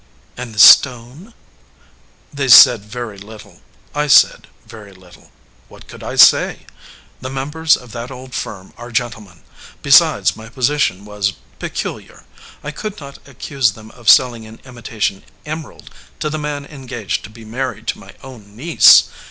"And the stone?" "They said very little. I said very little. What could I say? The members of that old firm are gentlemen. Besides, my position was peculiar. I could not accuse them of selling an imitation em erald to the man engaged to be married to my own niece.